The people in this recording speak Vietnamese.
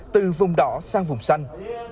từ vùng đỏ sang vùng xanh